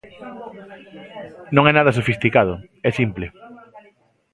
Non é nada sofisticado, é simple.